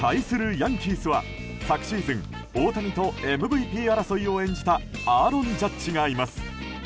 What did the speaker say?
ヤンキースは昨シーズン、大谷とＭＶＰ争いを演じたアーロン・ジャッジがいます。